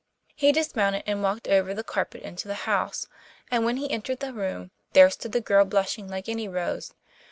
He dismounted and walked over the carpet into the house, and when he entered the room there stood the girl blushing like any rose.